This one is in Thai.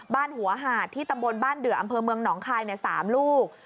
บ้านหัวหาดที่ตำบลบ้านเดืออำเภอเมืองหนองคาย๓ลูก